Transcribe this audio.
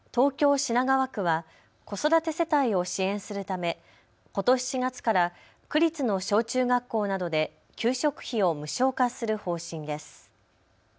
品川区は子育て世帯を支援するため、ことし４月から区立の小中学校などで給食費を無償化する方針です。